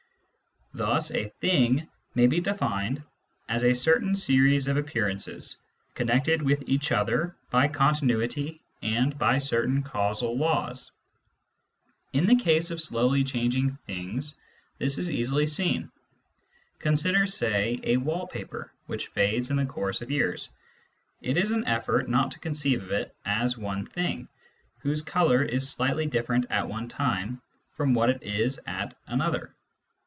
Thus a thing may be defined as a certai n series of appearances , c onnected with each other by rnnfinii^fjT^H^j^ rpj fpin ranoal lawc In the Case of ■^slowly changing things, this is easily seen. Consider, say, a wall paper which fades in the course of years. It is an effort not to conceive of it as one " thing " whose colour is slightly different at one time from what it is at another.